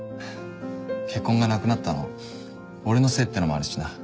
結婚がなくなったの俺のせいっていうのもあるしな。